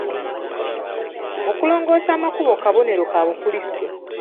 Okulongoosa amakubo kabonero ka Bukrisito.